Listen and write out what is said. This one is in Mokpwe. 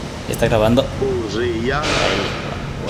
Òrzèèyá.